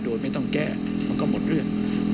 โดยไม่ต้องแก้มันก็หมดเรื่อง